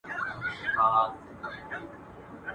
o د شنې بزې چيچى که شين نه وي، شين ټکی لري.